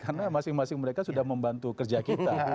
karena masing masing mereka sudah membantu kerja kita